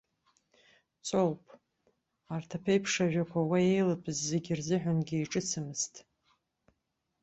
Ҵоуп, арҭ аԥеиԥш ажәақәа уа еилатәаз зегь рзыҳәангьы иҿыцмызт.